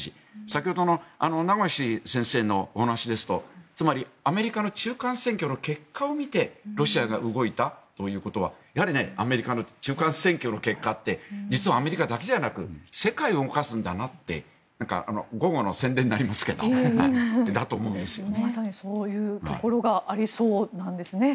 先ほどの名越先生のお話ですとつまり、アメリカの中間選挙の結果を見てロシアが動いたということはやはりアメリカの中間選挙の結果って実はアメリカだけじゃなく世界を動かすんだなって午後の宣伝になりますけどそうだと思うんですよね。